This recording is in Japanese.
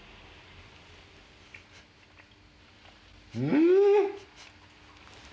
うん！